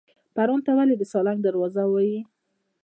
پروان ته ولې د سالنګ دروازه وایي؟